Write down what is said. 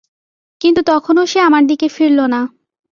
কিন্তু তখনো সে আমার দিকে ফিরল না।